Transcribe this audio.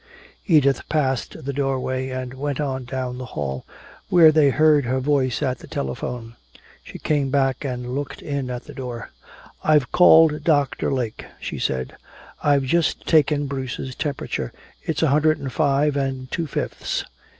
Edith passed the doorway and went on down the hall, where they heard her voice at the telephone. She came back and looked in at the door. "I've called Doctor Lake," she said. "I've just taken Bruce's temperature. It's a hundred and five and two fifths."